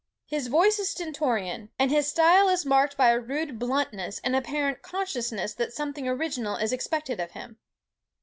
His voice is stentorian, and his style is marked by a rude bluntness and an apparent consciousness that something original is expected of him.